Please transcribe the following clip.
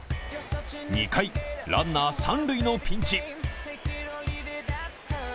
２回、ランナー三塁のピンチ。